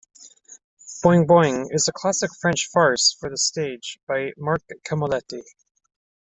"Boeing Boeing" is a classic French farce for the stage by Marc Camoletti.